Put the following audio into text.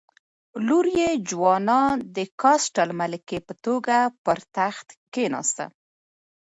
لور یې جوانا د کاسټل ملکې په توګه پر تخت کېناسته.